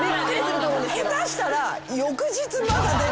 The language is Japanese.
下手したら。